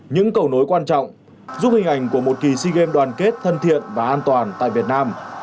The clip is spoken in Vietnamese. những cầu nối quan trọng giúp hình ảnh của một kỳ sea games đoàn kết thân thiện và an toàn tại việt nam